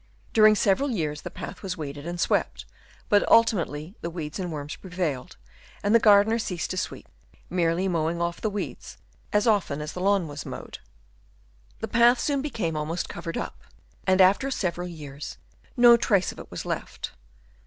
During several years the path was weeded and swept ; but ultimately the weeds and worms prevailed, and the gardener ceased to sweep, merely mowing off the weeds, as often as the lawn was mowed. The path soon became almost covered up, and after several years no trace of it was left.